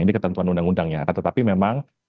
ini ketentuan undang undangnya akan tetapi memang